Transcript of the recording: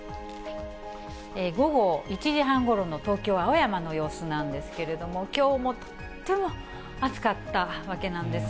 午後１時半ごろの東京・青山の様子なんですけれども、きょうもとっても暑かったわけなんです。